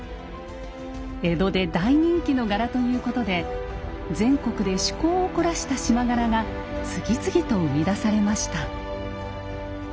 江戸で大人気の柄ということで全国で趣向を凝らした縞柄が次々と生み出されました。